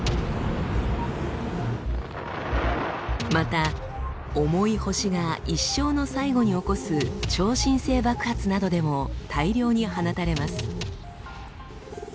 また重い星が一生の最後に起こす「超新星爆発」などでも大量に放たれます。